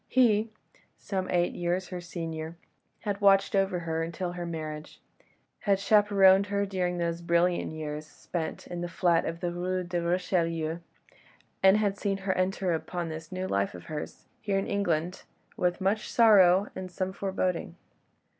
He, some eight years her senior, had watched over her until her marriage; had chaperoned her during those brilliant years spent in the flat of the Rue de Richelieu, and had seen her enter upon this new life of hers, here in England, with much sorrow and some foreboding.